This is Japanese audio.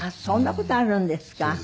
そんな事あるんですか。